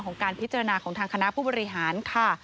การพิจารณาของทางคณะผู้บริหารค่ะ